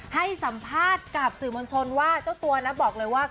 ให้สัมภาษณ์กับสื่อมวลชนว่าเจ้าตัวนะบอกเลยว่า